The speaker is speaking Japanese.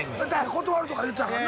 断るとか言ったからな。